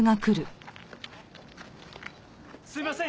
すいません